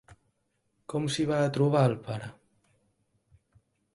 Com s'hi va a trobar el pare?